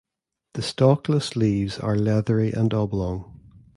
The stalkless leaves are leathery and oblong.